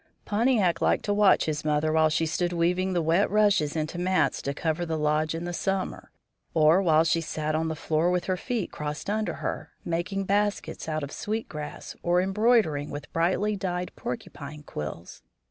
Pontiac liked to watch his mother while she stood weaving the wet rushes into mats to cover the lodge in summer, or while she sat on the floor with her feet crossed under her, making baskets out of sweet grass or embroidering with brightly dyed porcupine quills.